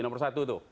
nomor satu tuh